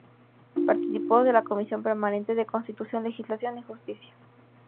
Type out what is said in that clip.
Participó de la comisión permanente de Constitución, Legislación y Justicia.